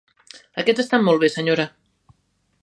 Aquests estan molt bé, senyora.